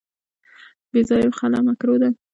بې ځایه خلع مکروه ده.